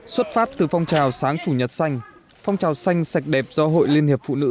xuất phát từ phong trào sáng chủ nhật xanh phong trào xanh sạch đẹp do hội liên hiệp phụ nữ